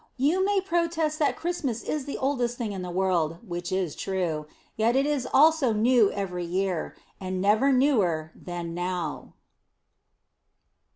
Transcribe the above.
You may protest that Christmas is the oldest thing in the world, which is true; yet it is also new every year, and never newer than now.